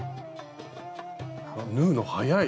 縫うの早い！